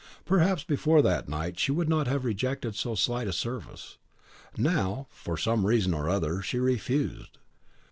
Perhaps before that night she would not have rejected so slight a service. Now, for some reason or other, she refused.